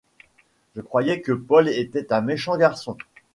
Je croyais que Paul était un méchant garçon.